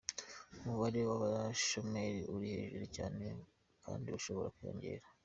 Umubare w’abashomeri uri hejuru cyane kandi ushobora kwiyongera